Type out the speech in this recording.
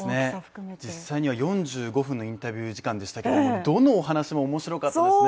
実際には４５分のインタビュー時間でしたけどどのお話も面白かったですね